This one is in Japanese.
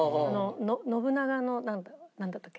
信長のなんだったっけ？